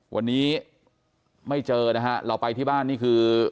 วันนี้ไม่เจอนะฮะเราไปที่บ้านนี่คือ